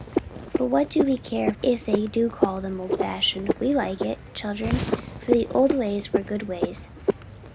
But what do we care if they do call them old fashioned? We like it, children, for the old ways were good ways."